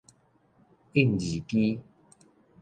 印字機